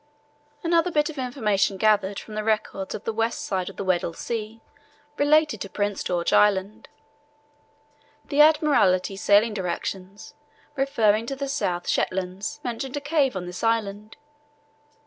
Another bit of information gathered from the records of the west side of the Weddell Sea related to Prince George Island. The Admiralty "Sailing Directions," referring to the South Shetlands, mentioned a cave on this island.